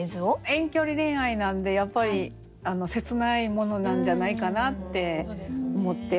遠距離恋愛なんでやっぱり切ないものなんじゃないかなって思って。